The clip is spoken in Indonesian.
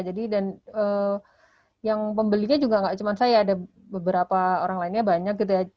jadi dan yang pembelinya juga nggak cuma saya ada beberapa orang lainnya banyak gitu ya